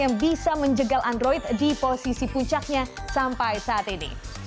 yang bisa menjegal android di posisi puncaknya sampai saat ini